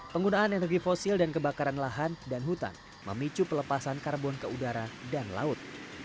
penggunaan energi fosil dan kebakaran lahan dan hutan memicu pelepasan karbon ke udara dan laut